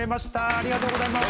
ありがとうございます。